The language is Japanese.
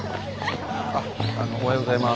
あっあのおはようございます。